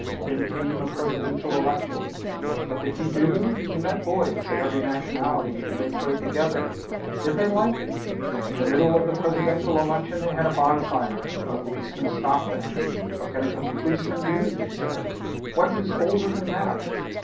Then came a presidential election. What did he do. He met boys of every nationality and they played together. Did they like it. In the middle of the presidential election they had a bonfire. A policeman stopped them. What can a policeman do, they said. What is older than that.